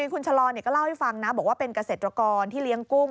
คุณชะลอก็เล่าให้ฟังนะบอกว่าเป็นเกษตรกรที่เลี้ยงกุ้ง